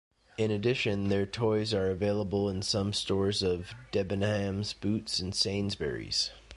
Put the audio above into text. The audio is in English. In addition, their toys are available in some stores of Debenhams, Boots and Sainsbury's.